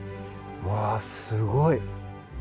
うわすごい。